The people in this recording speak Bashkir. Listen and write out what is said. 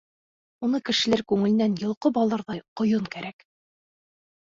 Уны кешеләр күңеленән йолҡоп алырҙай ҡойон кәрәк.